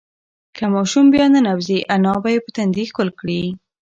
که ماشوم بیا ننوځي، انا به یې په تندي ښکل کړي.